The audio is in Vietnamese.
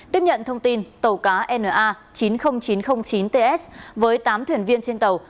tiếp nhận thông tin tàu cá na chín mươi nghìn chín trăm linh chín ts với tám thuyền viên trên tàu